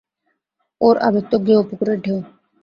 ওর আবেগ তো গেয়ো পুকুরের ঢেউ।